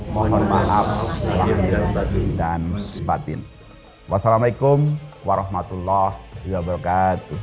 mohon maaf dan sebatin wassalamu alaikum warahmatullah wabarakatuh